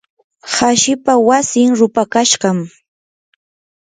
hashipa wasin rupakashqam.